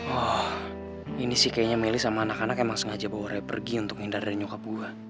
oh ini sih kayaknya meli sama anak anak emang sengaja bawa rayanya pergi untuk menghindari nyokap gue